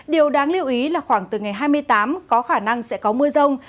điều đáng lưu ý là khoảng từ ngày hai mươi tám có khả năng sẽ có mưa rông